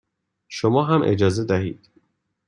شما هم اجازه دهید